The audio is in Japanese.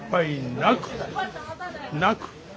なく。